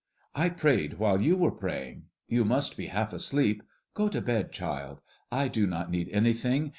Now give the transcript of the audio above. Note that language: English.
"I prayed while you were praying. You must be half asleep; go to bed, child. I do not need anything.